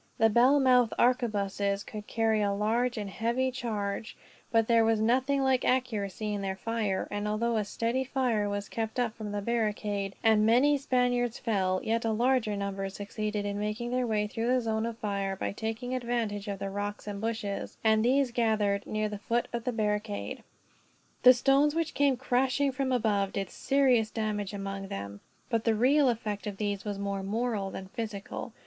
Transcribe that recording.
The bell mouth arquebuses could carry a large and heavy charge, but there was nothing like accuracy in their fire; and although a steady fire was kept up from the barricade, and many Spaniards fell; yet a larger number succeeded in making their way through the zone of fire, by taking advantage of the rocks and bushes; and these gathered, near the foot of the barricade. The stones which came crashing from above did serious damage among them, but the real effect of these was more moral than physical.